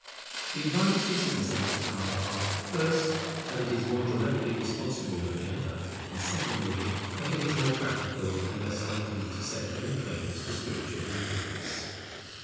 The advantages of the central power are, first, that it is more directly responsible than the other; and, secondly, that it is more practical and less likely to set up any claims to spiritual influence.